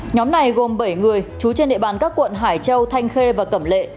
nhóm này gồm bảy người trú trên địa bàn các quận hải châu thanh khê và cẩm lệ